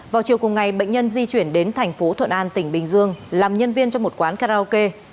vào chiều cùng ngày bệnh nhân di chuyển đến thành phố thuận an tỉnh bình dương làm nhân viên trong một quán karaoke